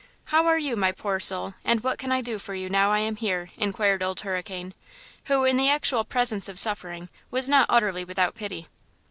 "How are you, my poor soul, and what can I do for you now I am here?" inquired Old Hurricane, who in the actual presence of suffering was not utterly without pity.